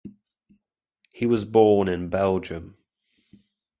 He was born in Belgium.